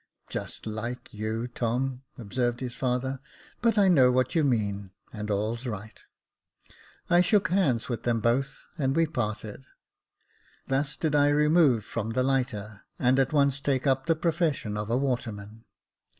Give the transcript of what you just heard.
" Just hke you, Tom," observed his father ;" but I know what you mean, and all's right." I shook hands with them both, and we parted. Thus did I remove from the lighter, and at once take up the profession of a waterman.